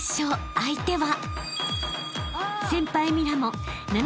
［相手は］